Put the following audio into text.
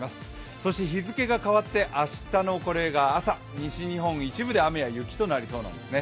そして日付が変わって明日の朝、西日本の一部で雨や雪となりそうなんですね。